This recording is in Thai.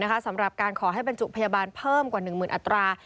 การขอให้เป็นจุภยาบาลเพิ่มกว่า๑หมื่นอัตรา